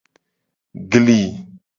Gli.